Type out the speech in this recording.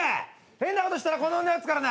変なことしたらこの女撃つからな。